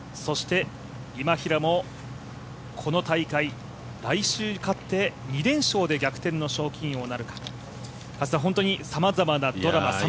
今平もこの大会来週勝って２連勝で逆転の賞金王なるか本当にさまざまなドラマ。